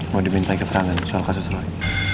mau diminta ikut terangan soal kasus roy